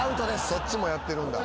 そっちもやってるんだ。